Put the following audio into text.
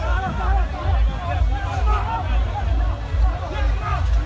มันอาจจะไม่เอาเห็น